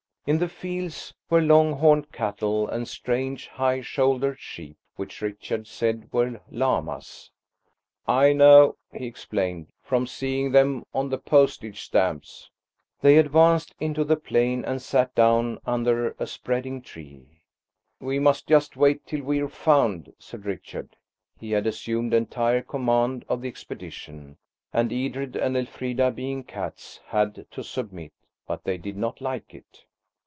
In the fields were long horned cattle and strange, high shouldered sheep, which Richard said were llamas. "I know," he explained, "from seeing them on the postage stamps." They advanced into the plain and sat down under a spreading tree. "We must just wait till we're found," said Richard. He had assumed entire command of the expedition, and Edred and Elfrida, being cats, had to submit, but they did not like it.